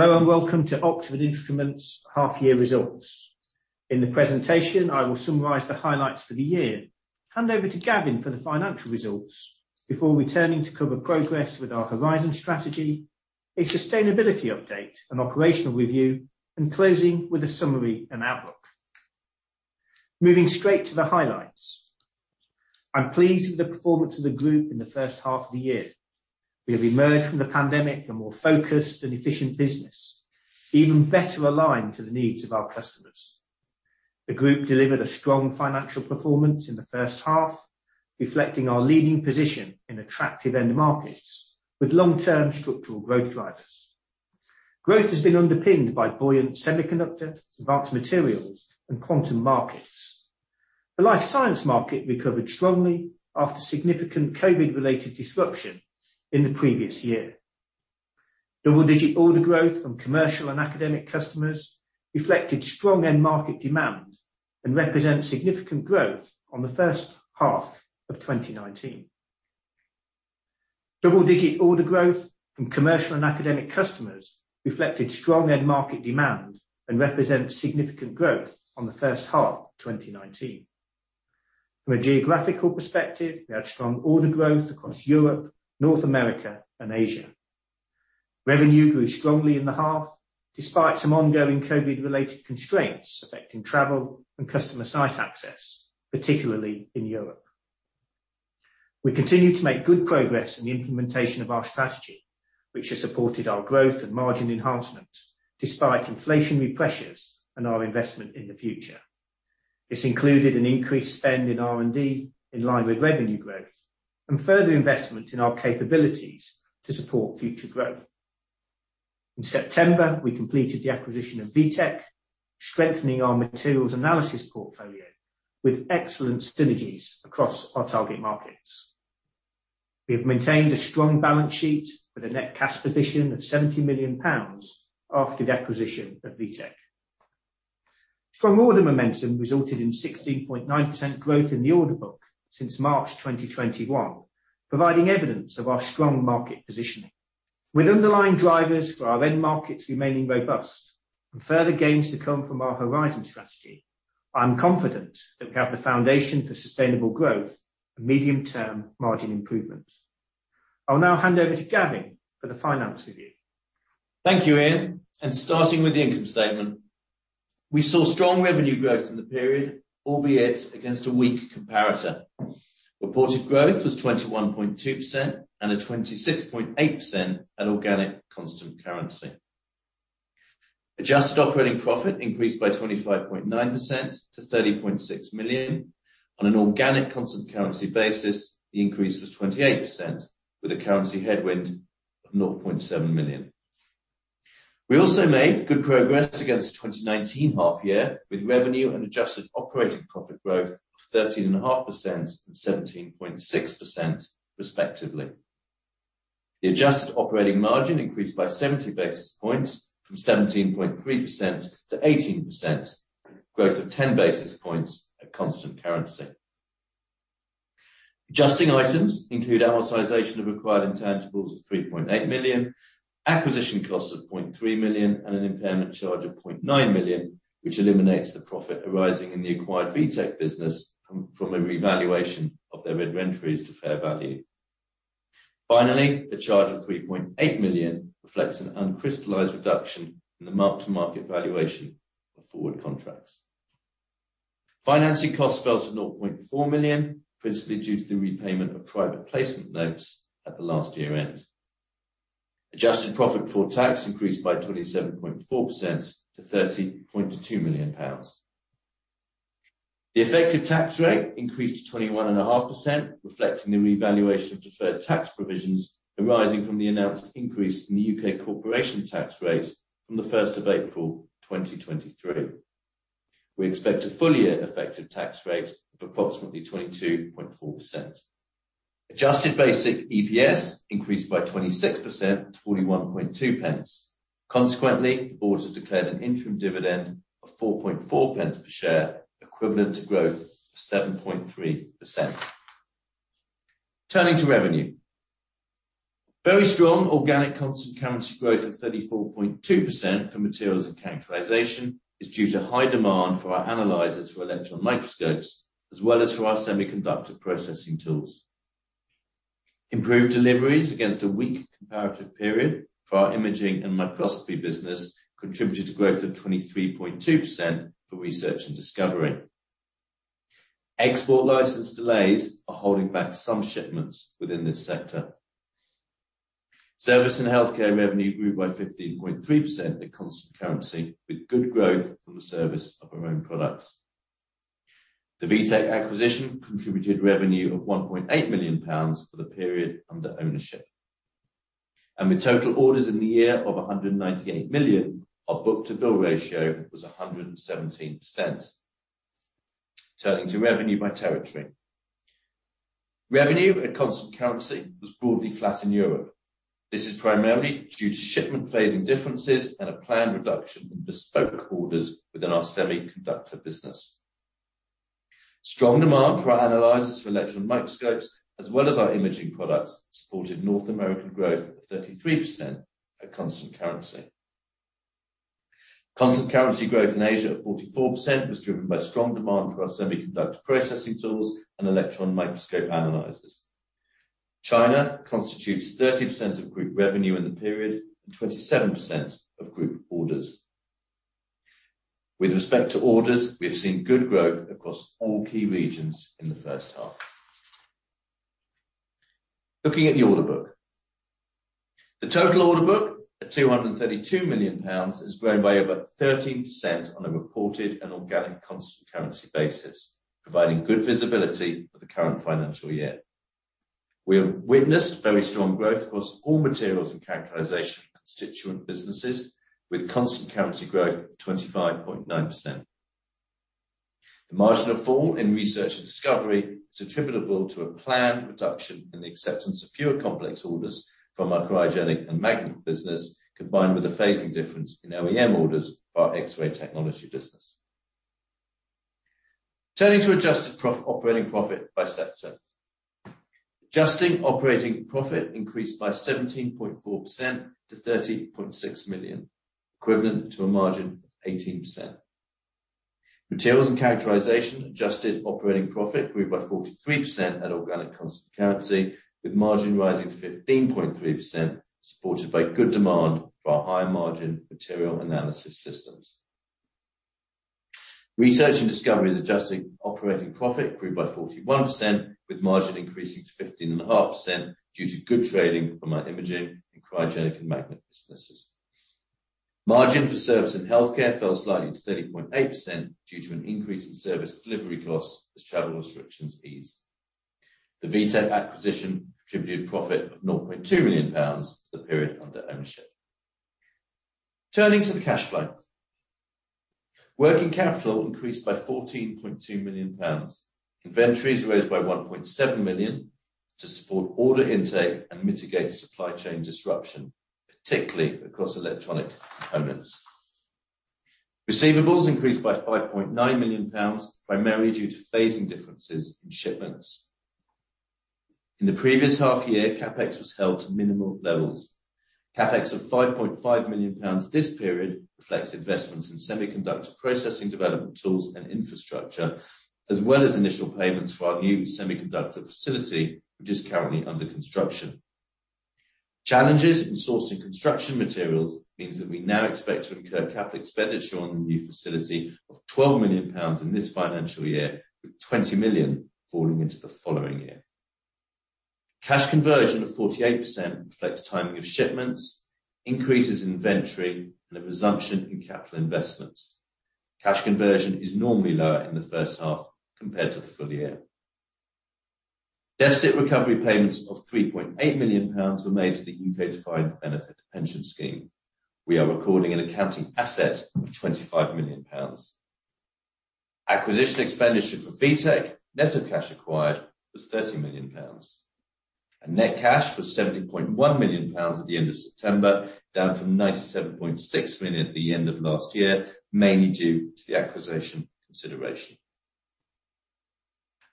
Hello and welcome to Oxford Instruments' half-year results. In the presentation, I will summarize the highlights for the year, hand over to Gavin for the financial results, before returning to cover progress with our Horizon Strategy, a sustainability update, an operational review, and closing with a summary and outlook. Moving straight to the highlights. I'm pleased with the performance of the group in the first half of the year. We have emerged from the pandemic a more focused and efficient business, even better aligned to the needs of our customers. The group delivered a strong financial performance in the first half, reflecting our leading position in attractive end markets with long-term structural growth drivers. Growth has been underpinned by buoyant semiconductor, advanced materials, and quantum markets. The life science market recovered strongly after significant COVID-related disruption in the previous year. Double-digit order growth from commercial and academic customers reflected strong end market demand and represents significant growth on the first half of 2019. Double-digit order growth from commercial and academic customers reflected strong end market demand and represents significant growth on the first half of 2019. From a geographical perspective, we had strong order growth across Europe, North America, and Asia. Revenue grew strongly in the half despite some ongoing COVID-related constraints affecting travel and customer site access, particularly in Europe. We continue to make good progress in the implementation of our strategy, which has supported our growth and margin enhancement despite inflationary pressures and our investment in the future. This included an increased spend in R&D in line with revenue growth and further investment in our capabilities to support future growth. In September, we completed the acquisition of VTEC, strengthening our materials analysis portfolio with excellent synergies across our target markets. We have maintained a strong balance sheet with a net cash position of 70 million pounds after the acquisition of VTEC. Strong order momentum resulted in 16.9% growth in the order book since March 2021, providing evidence of our strong market positioning. With underlying drivers for our end markets remaining robust and further gains to come from our Horizon Strategy, I'm confident that we have the foundation for sustainable growth and medium-term margin improvement. I'll now hand over to Gavin for the finance review. Thank you, Ian. Starting with the income statement, we saw strong revenue growth in the period, albeit against a weak comparator. Reported growth was 21.2% and 26.8% at organic constant currency. Adjusted operating profit increased by 25.9% to 30.6 million. On an organic constant currency basis, the increase was 28% with a currency headwind of 0.7 million. We also made good progress against the 2019 half-year with revenue and adjusted operating profit growth of 13.5% and 17.6%, respectively. The adjusted operating margin increased by 70 basis points from 17.3%-18%, growth of 10 basis points at constant currency. Adjusting items include amortization of acquired intangibles of 3.8 million, acquisition costs of 0.3 million, and an impairment charge of 0.9 million, which eliminates the profit arising in the acquired VTEC business from a revaluation of their bid/rent freeze to fair value. Finally, the charge of 3.8 million reflects an uncrystallized reduction in the mark-to-market valuation of forward contracts. Financing costs fell to 0.4 million, principally due to the repayment of private placement notes at the last year-end. Adjusted profit for tax increased by 27.4% to 30.2 million pounds. The effective tax rate increased to 21.5%, reflecting the revaluation of deferred tax provisions arising from the announced increase in the U.K. corporation tax rate from the 1st of April 2023. We expect a full-year effective tax rate of approximately 22.4%. Adjusted basic EPS increased by 26% to 41.2 pence. Consequently, the board has declared an interim dividend of 4.4 pence per share, equivalent to growth of 7.3%. Turning to revenue, very strong organic constant currency growth of 34.2% for materials and characterization is due to high demand for our analyzers for electron microscopes, as well as for our semiconductor processing tools. Improved deliveries against a weak comparative period for our imaging and microscopy business contributed to growth of 23.2% for research and discovery. Export license delays are holding back some shipments within this sector. Service and healthcare revenue grew by 15.3% at constant currency, with good growth from the service of our own products. The VTEC acquisition contributed revenue of 1.8 million pounds for the period under ownership. With total orders in the year of 198 million, our book-to-bill ratio was 117%. Turning to revenue by territory, revenue at constant currency was broadly flat in Europe. This is primarily due to shipment phasing differences and a planned reduction in bespoke orders within our semiconductor business. Strong demand for our analyzers for electron microscopes, as well as our imaging products, supported North American growth of 33% at constant currency. Constant currency growth in Asia of 44% was driven by strong demand for our semiconductor processing tools and electron microscope analyzers. China constitutes 30% of group revenue in the period and 27% of group orders. With respect to orders, we have seen good growth across all key regions in the first half. Looking at the order book, the total order book at 232 million pounds has grown by over 13% on a reported and organic constant currency basis, providing good visibility for the current financial year. We have witnessed very strong growth across all materials and characterization constituent businesses, with constant currency growth of 25.9%. The margin of fall in research and discovery is attributable to a planned reduction in the acceptance of fewer complex orders from our cryogenic and magnet business, combined with a phasing difference in OEM orders for our X-ray technology business. Turning to adjusted operating profit by sector, adjusted operating profit increased by 17.4% to 30.6 million, equivalent to a margin of 18%. Materials and characterization adjusted operating profit grew by 43% at organic constant currency, with margin rising to 15.3%, supported by good demand for our high-margin material analysis systems. Research and discovery's adjusted operating profit grew by 41%, with margin increasing to 15.5% due to good trading from our imaging and cryogenic and magnet businesses. Margin for service and healthcare fell slightly to 30.8% due to an increase in service delivery costs as travel restrictions eased. The VTEC acquisition contributed profit of 0.2 million pounds for the period under ownership. Turning to the cash flow, working capital increased by 14.2 million pounds. Inventories rose by 1.7 million to support order intake and mitigate supply chain disruption, particularly across electronic components. Receivables increased by 5.9 million pounds, primarily due to phasing differences in shipments. In the previous half-year, CapEx was held to minimal levels. CapEx of 5.5 million pounds this period reflects investments in semiconductor processing development tools and infrastructure, as well as initial payments for our new semiconductor facility, which is currently under construction. Challenges in sourcing construction materials means that we now expect to incur CapEx expenditure on the new facility of 12 million pounds in this financial year, with 20 million falling into the following year. Cash conversion of 48% reflects timing of shipments, increases in inventory, and a resumption in capital investments. Cash conversion is normally lower in the first half compared to the full year. Deficit recovery payments of 3.8 million pounds were made to the U.K. Defined Benefit Pension Scheme. We are recording an accounting asset of 25 million pounds. Acquisition expenditure for VTEC, net of cash acquired, was 30 million pounds. Net cash was 17.1 million pounds at the end of September, down from 97.6 million at the end of last year, mainly due to the acquisition consideration.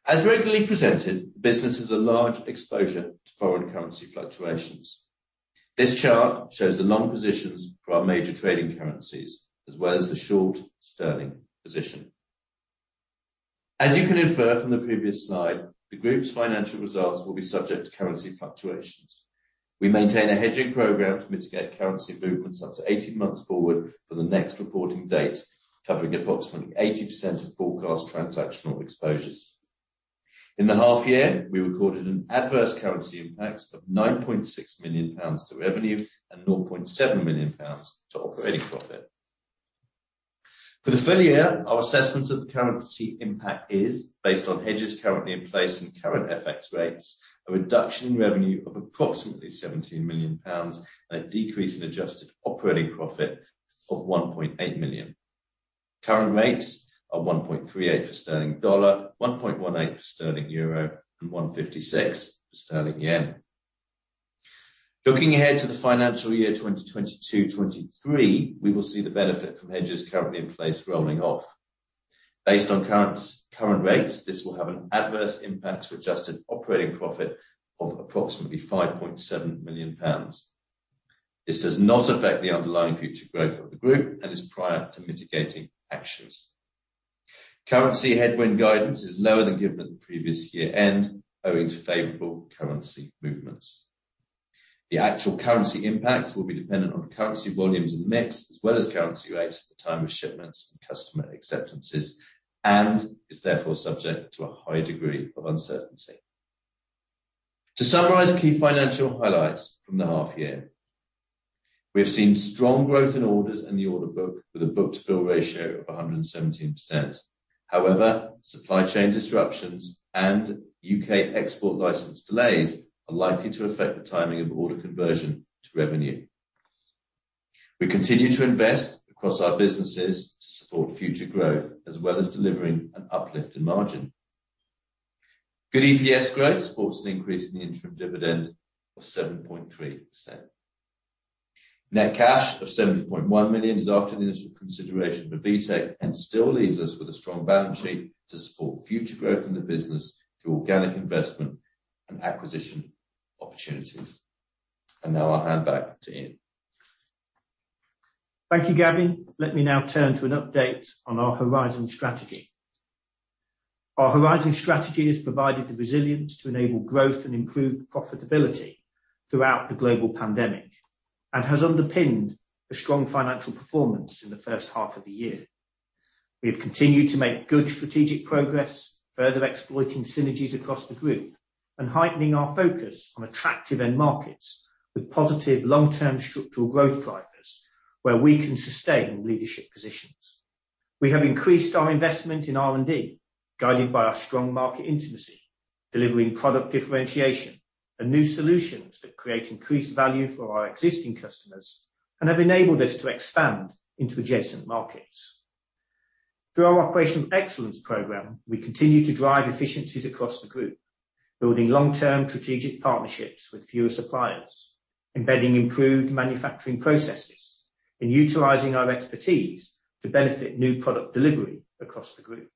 As regularly presented, the business has a large exposure to foreign currency fluctuations. This chart shows the long positions for our major trading currencies, as well as the short sterling position. As you can infer from the previous slide, the group's financial results will be subject to currency fluctuations. We maintain a hedging program to mitigate currency movements up to 18 months forward from the next reporting date, covering approximately 80% of forecast transactional exposures. In the half-year, we recorded an adverse currency impact of 9.6 million pounds to revenue and 0.7 million pounds to operating profit. For the full year, our assessment of the currency impact is, based on hedges currently in place and current FX rates, a reduction in revenue of approximately 17 million pounds and a decrease in adjusted operating profit of 1.8 million. Current rates are 1.38 for sterling/dollar, 1.18 for sterling/euro, and 1.56 for sterling/yen. Looking ahead to the financial year 2022-2023, we will see the benefit from hedges currently in place rolling off. Based on current rates, this will have an adverse impact to adjusted operating profit of approximately 5.7 million pounds. This does not affect the underlying future growth of the group and is prior to mitigating actions. Currency headwind guidance is lower than given at the previous year-end, owing to favorable currency movements. The actual currency impact will be dependent on currency volumes and mix, as well as currency rates at the time of shipments and customer acceptances, and is therefore subject to a high degree of uncertainty. To summarize key financial highlights from the half-year, we have seen strong growth in orders and the order book with a book-to-bill ratio of 117%. However, supply chain disruptions and U.K. export license delays are likely to affect the timing of order conversion to revenue. We continue to invest across our businesses to support future growth, as well as delivering an uplift in margin. Good EPS growth supports an increase in the interim dividend of 7.3%. Net cash of 70.1 million is after the initial consideration for VTEC and still leaves us with a strong balance sheet to support future growth in the business through organic investment and acquisition opportunities. I'll hand back to Ian. Thank you, Gavin. Let me now turn to an update on our Horizon Strategy. Our Horizon Strategy has provided the resilience to enable growth and improved profitability throughout the global pandemic and has underpinned a strong financial performance in the first half of the year. We have continued to make good strategic progress, further exploiting synergies across the group and heightening our focus on attractive end markets with positive long-term structural growth drivers where we can sustain leadership positions. We have increased our investment in R&D, guided by our strong market intimacy, delivering product differentiation and new solutions that create increased value for our existing customers and have enabled us to expand into adjacent markets. Through our Operational Excellence Program, we continue to drive efficiencies across the group, building long-term strategic partnerships with fewer suppliers, embedding improved manufacturing processes, and utilizing our expertise to benefit new product delivery across the group.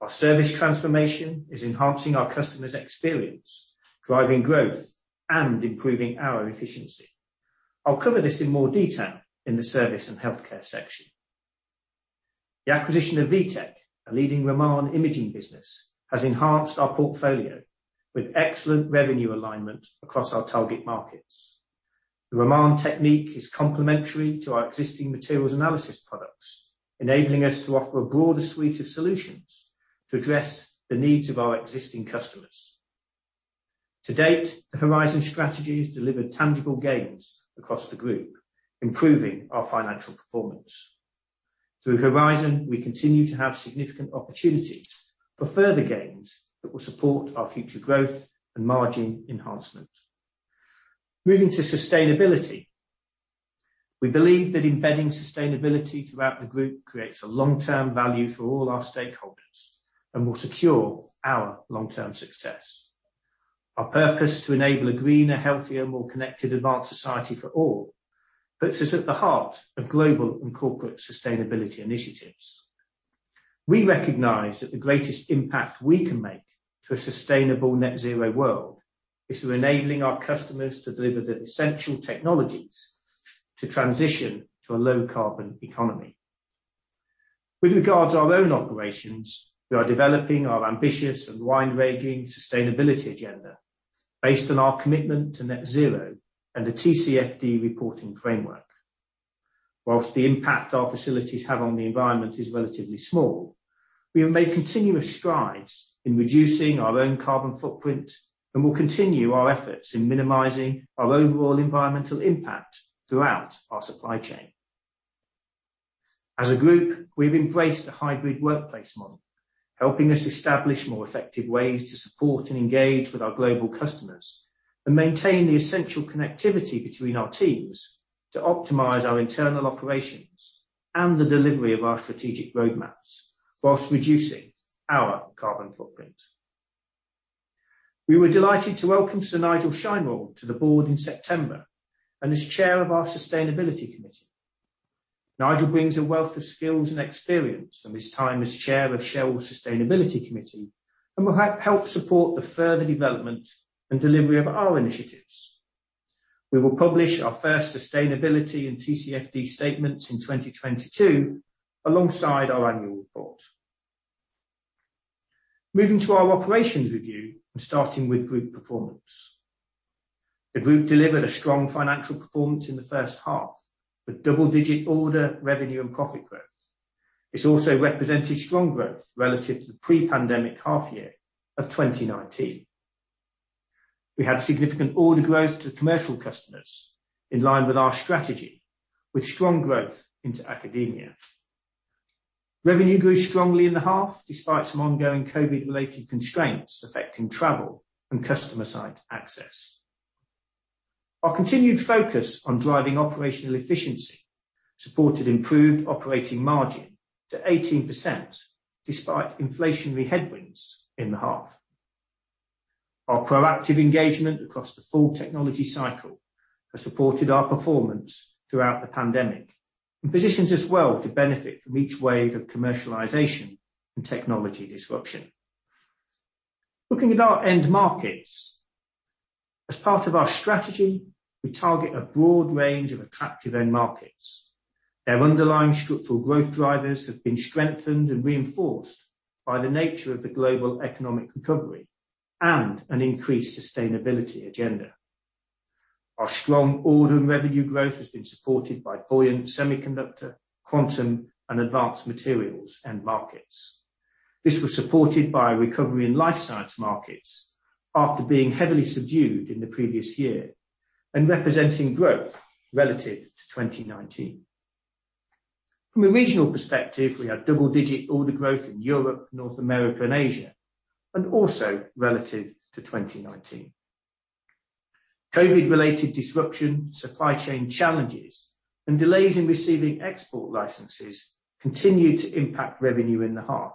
Our service transformation is enhancing our customers' experience, driving growth, and improving our efficiency. I'll cover this in more detail in the service and healthcare section. The acquisition of VTEC, a leading Raman imaging business, has enhanced our portfolio with excellent revenue alignment across our target markets. The Raman technique is complementary to our existing materials analysis products, enabling us to offer a broader suite of solutions to address the needs of our existing customers. To date, the Horizon Strategy has delivered tangible gains across the group, improving our financial performance. Through Horizon, we continue to have significant opportunities for further gains that will support our future growth and margin enhancement. Moving to sustainability, we believe that embedding sustainability throughout the group creates long-term value for all our stakeholders and will secure our long-term success. Our purpose to enable a greener, healthier, more connected advanced society for all puts us at the heart of global and corporate sustainability initiatives. We recognize that the greatest impact we can make to a sustainable net-zero world is through enabling our customers to deliver the essential technologies to transition to a low-carbon economy. With regard to our own operations, we are developing our ambitious and wide-ranging sustainability agenda based on our commitment to net-zero and the TCFD reporting framework. Whilst the impact our facilities have on the environment is relatively small, we have made continuous strides in reducing our own carbon footprint and will continue our efforts in minimizing our overall environmental impact throughout our supply chain. As a group, we have embraced a hybrid workplace model, helping us establish more effective ways to support and engage with our global customers and maintain the essential connectivity between our teams to optimize our internal operations and the delivery of our strategic roadmaps, whilst reducing our carbon footprint. We were delighted to welcome Sir Nigel Sheinwald to the board in September and as chair of our Sustainability Committee. Nigel brings a wealth of skills and experience from his time as chair of Shell's Sustainability Committee and will help support the further development and delivery of our initiatives. We will publish our first sustainability and TCFD statements in 2022 alongside our annual report. Moving to our operations review and starting with group performance. The group delivered a strong financial performance in the first half with double-digit order, revenue, and profit growth. It also represented strong growth relative to the pre-pandemic half-year of 2019. We had significant order growth to commercial customers in line with our strategy, with strong growth into academia. Revenue grew strongly in the half despite some ongoing COVID-related constraints affecting travel and customer site access. Our continued focus on driving operational efficiency supported improved operating margin to 18% despite inflationary headwinds in the half. Our proactive engagement across the full technology cycle has supported our performance throughout the pandemic and positions us well to benefit from each wave of commercialization and technology disruption. Looking at our end markets, as part of our strategy, we target a broad range of attractive end markets. Their underlying structural growth drivers have been strengthened and reinforced by the nature of the global economic recovery and an increased sustainability agenda. Our strong order and revenue growth has been supported by buoyant semiconductor, quantum, and advanced materials end markets. This was supported by recovery in life science markets after being heavily subdued in the previous year and representing growth relative to 2019. From a regional perspective, we had double-digit order growth in Europe, North America, and Asia, and also relative to 2019. COVID-related disruption, supply chain challenges, and delays in receiving export licenses continue to impact revenue in the half,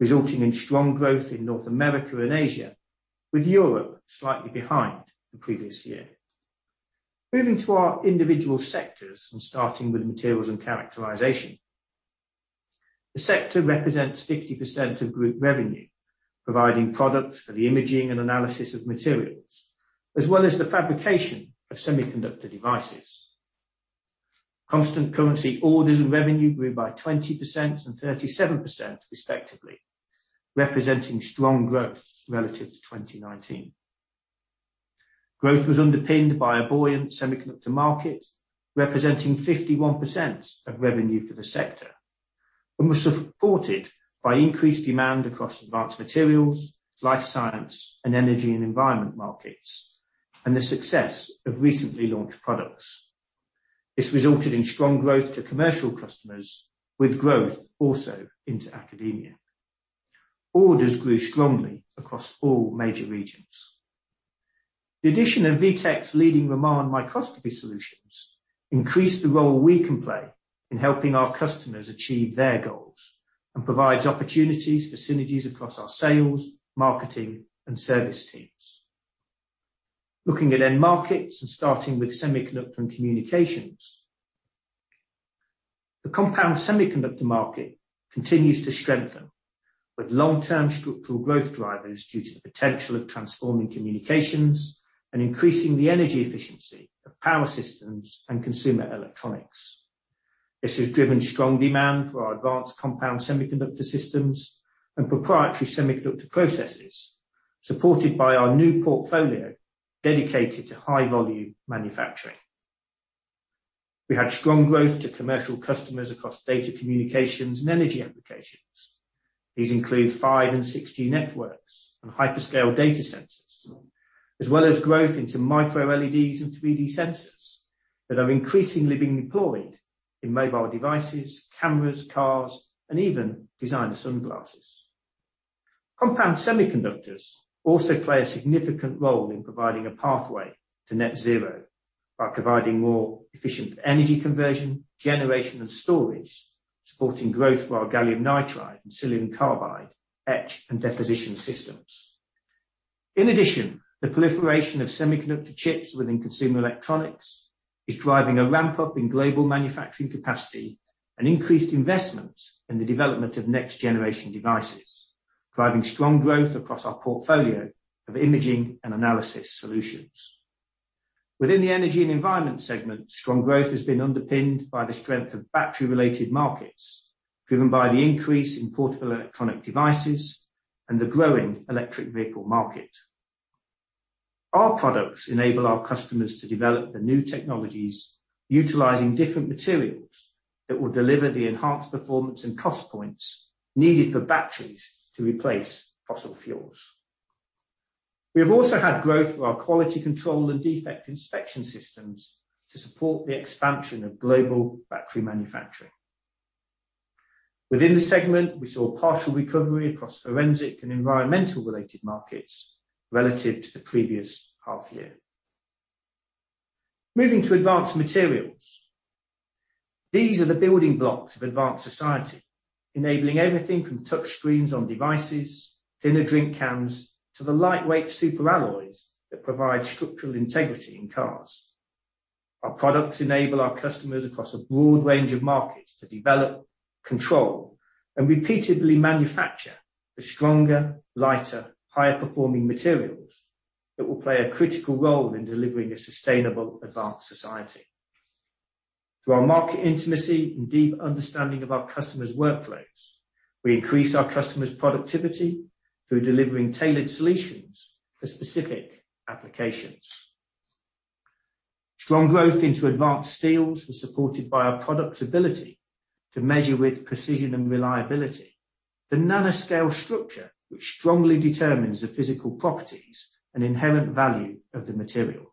resulting in strong growth in North America and Asia, with Europe slightly behind the previous year. Moving to our individual sectors and starting with materials and characterization. The sector represents 50% of group revenue, providing products for the imaging and analysis of materials, as well as the fabrication of semiconductor devices. Constant currency orders and revenue grew by 20% and 37% respectively, representing strong growth relative to 2019. Growth was underpinned by a buoyant semiconductor market, representing 51% of revenue for the sector, and was supported by increased demand across advanced materials, life science, and energy and environment markets, and the success of recently launched products. This resulted in strong growth to commercial customers, with growth also into academia. Orders grew strongly across all major regions. The addition of VTEC's leading Raman microscopy solutions increased the role we can play in helping our customers achieve their goals and provides opportunities for synergies across our sales, marketing, and service teams. Looking at end markets and starting with semiconductor and communications, the compound semiconductor market continues to strengthen, with long-term structural growth drivers due to the potential of transforming communications and increasing the energy efficiency of power systems and consumer electronics. This has driven strong demand for our advanced compound semiconductor systems and proprietary semiconductor processes, supported by our new portfolio dedicated to high-volume manufacturing. We had strong growth to commercial customers across data communications and energy applications. These include 5G and 6G networks and hyperscale data centers, as well as growth into micro-LEDs and 3D sensors that are increasingly being deployed in mobile devices, cameras, cars, and even designer sunglasses. Compound semiconductors also play a significant role in providing a pathway to net-zero by providing more efficient energy conversion, generation, and storage, supporting growth for our gallium nitride and silicon carbide etch and deposition systems. In addition, the proliferation of semiconductor chips within consumer electronics is driving a ramp-up in global manufacturing capacity and increased investment in the development of next-generation devices, driving strong growth across our portfolio of imaging and analysis solutions. Within the energy and environment segment, strong growth has been underpinned by the strength of battery-related markets, driven by the increase in portable electronic devices and the growing electric vehicle market. Our products enable our customers to develop the new technologies utilizing different materials that will deliver the enhanced performance and cost points needed for batteries to replace fossil fuels. We have also had growth for our quality control and defect inspection systems to support the expansion of global battery manufacturing. Within the segment, we saw partial recovery across forensic and environmental-related markets relative to the previous half-year. Moving to advanced materials, these are the building blocks of advanced society, enabling everything from touchscreens on devices, thinner drink cans, to the lightweight super alloys that provide structural integrity in cars. Our products enable our customers across a broad range of markets to develop, control, and repeatedly manufacture the stronger, lighter, higher-performing materials that will play a critical role in delivering a sustainable advanced society. Through our market intimacy and deep understanding of our customers' workloads, we increase our customers' productivity through delivering tailored solutions for specific applications. Strong growth into advanced steels is supported by our products' ability to measure with precision and reliability, the nanoscale structure which strongly determines the physical properties and inherent value of the material.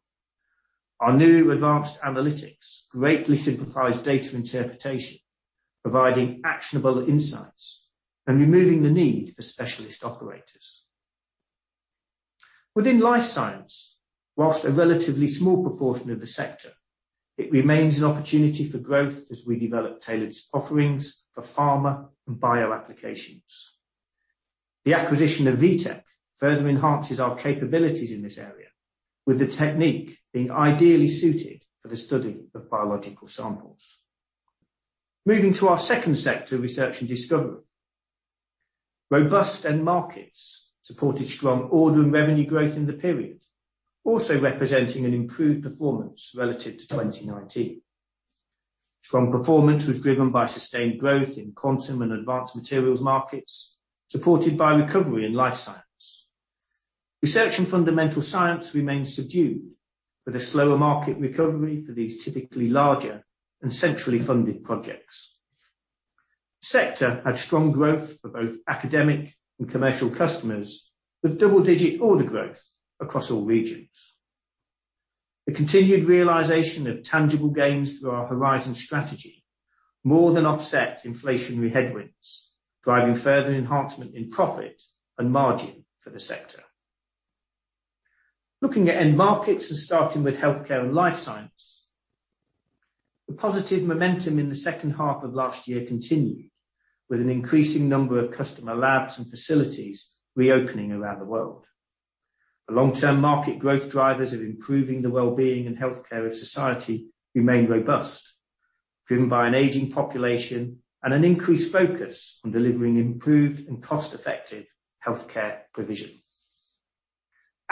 Our new advanced analytics greatly simplifies data interpretation, providing actionable insights and removing the need for specialist operators. Within life science, whilst a relatively small proportion of the sector, it remains an opportunity for growth as we develop tailored offerings for pharma and bio applications. The acquisition of VTEC further enhances our capabilities in this area, with the technique being ideally suited for the study of biological samples. Moving to our second sector, research and discovery. Robust end markets supported strong order and revenue growth in the period, also representing an improved performance relative to 2019. Strong performance was driven by sustained growth in quantum and advanced materials markets, supported by recovery in life science. Research and fundamental science remained subdued, with a slower market recovery for these typically larger and centrally funded projects. The sector had strong growth for both academic and commercial customers, with double-digit order growth across all regions. The continued realization of tangible gains through our Horizon Strategy more than offsets inflationary headwinds, driving further enhancement in profit and margin for the sector. Looking at end markets and starting with healthcare and life science, the positive momentum in the second half of last year continued, with an increasing number of customer labs and facilities reopening around the world. The long-term market growth drivers of improving the well-being and healthcare of society remain robust, driven by an aging population and an increased focus on delivering improved and cost-effective healthcare provision.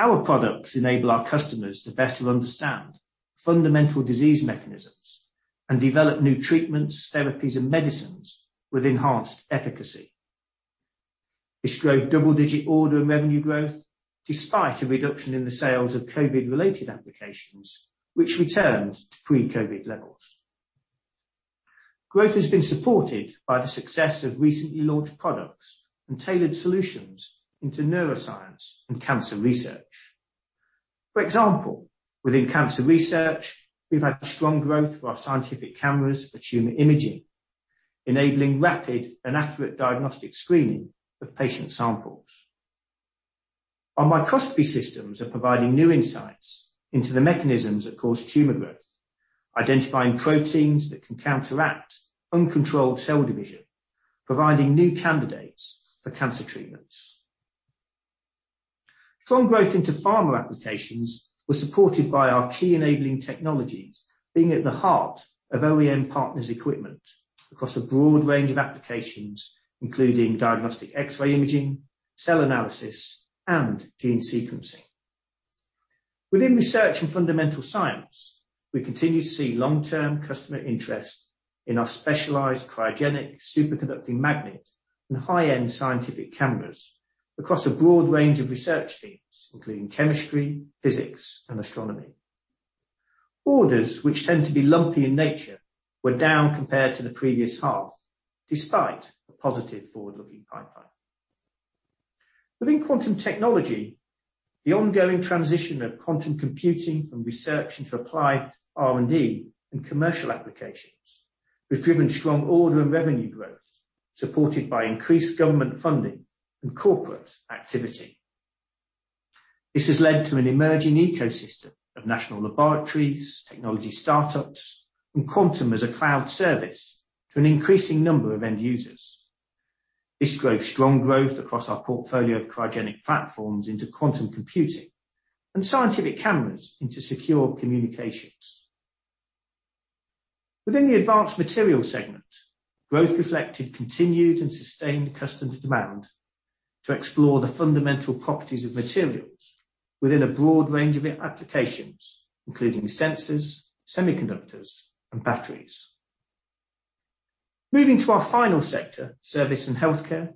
Our products enable our customers to better understand fundamental disease mechanisms and develop new treatments, therapies, and medicines with enhanced efficacy. This drove double-digit order and revenue growth despite a reduction in the sales of COVID-related applications, which returned to pre-COVID levels. Growth has been supported by the success of recently launched products and tailored solutions into neuroscience and cancer research. For example, within cancer research, we've had strong growth for our scientific cameras for tumor imaging, enabling rapid and accurate diagnostic screening of patient samples. Our microscopy systems are providing new insights into the mechanisms that cause tumor growth, identifying proteins that can counteract uncontrolled cell division, providing new candidates for cancer treatments. Strong growth into pharma applications was supported by our key enabling technologies, being at the heart of OEM partners' equipment across a broad range of applications, including diagnostic X-ray imaging, cell analysis, and gene sequencing. Within research and fundamental science, we continue to see long-term customer interest in our specialized cryogenic superconducting magnet and high-end scientific cameras across a broad range of research themes, including chemistry, physics, and astronomy. Orders, which tend to be lumpy in nature, were down compared to the previous half, despite a positive forward-looking pipeline. Within quantum technology, the ongoing transition of quantum computing from research into applied R&D and commercial applications has driven strong order and revenue growth, supported by increased government funding and corporate activity. This has led to an emerging ecosystem of national laboratories, technology startups, and quantum as a cloud service to an increasing number of end users. This drove strong growth across our portfolio of cryogenic platforms into quantum computing and scientific cameras into secure communications. Within the advanced materials segment, growth reflected continued and sustained customer demand to explore the fundamental properties of materials within a broad range of applications, including sensors, semiconductors, and batteries. Moving to our final sector, service and healthcare,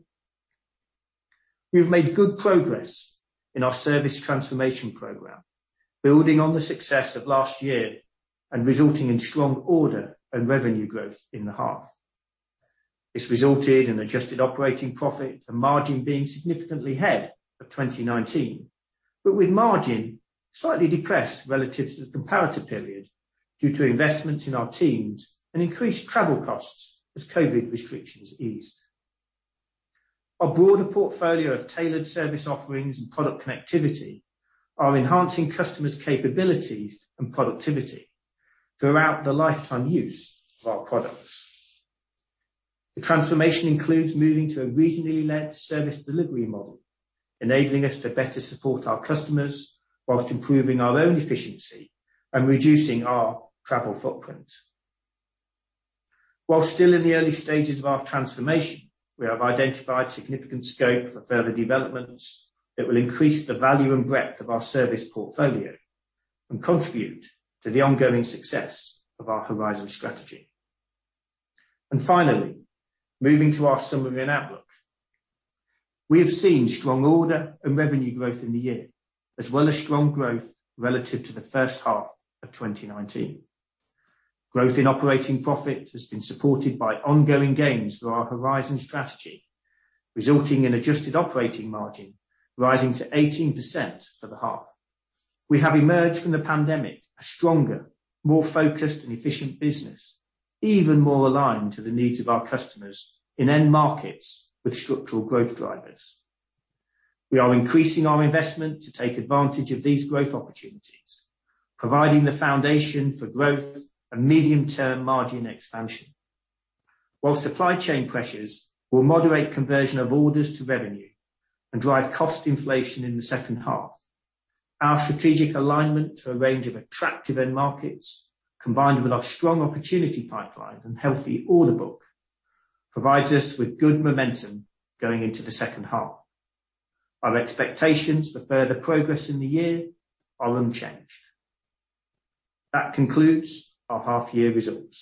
we've made good progress in our service transformation program, building on the success of last year and resulting in strong order and revenue growth in the half. This resulted in adjusted operating profit and margin being significantly ahead of 2019, but with margin slightly depressed relative to the comparative period due to investments in our teams and increased travel costs as COVID restrictions eased. Our broader portfolio of tailored service offerings and product connectivity are enhancing customers' capabilities and productivity throughout the lifetime use of our products. The transformation includes moving to a regionally led service delivery model, enabling us to better support our customers whilst improving our own efficiency and reducing our travel footprint. While still in the early stages of our transformation, we have identified significant scope for further developments that will increase the value and breadth of our service portfolio and contribute to the ongoing success of our Horizon Strategy. Finally, moving to our summary and outlook, we have seen strong order and revenue growth in the year, as well as strong growth relative to the first half of 2019. Growth in operating profit has been supported by ongoing gains through our Horizon Strategy, resulting in adjusted operating margin rising to 18% for the half. We have emerged from the pandemic a stronger, more focused, and efficient business, even more aligned to the needs of our customers in end markets with structural growth drivers. We are increasing our investment to take advantage of these growth opportunities, providing the foundation for growth and medium-term margin expansion. While supply chain pressures will moderate conversion of orders to revenue and drive cost inflation in the second half, our strategic alignment to a range of attractive end markets, combined with our strong opportunity pipeline and healthy order book, provides us with good momentum going into the second half. Our expectations for further progress in the year are unchanged. That concludes our half-year result.